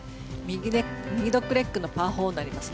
右ドッグレッグのパー４になります。